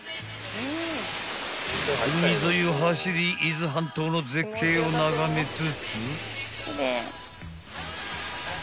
［海沿いを走り伊豆半島の絶景を眺めつつ］